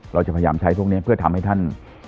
เราจะพยายามใช้พวกนี้เพื่อทำให้ท่าน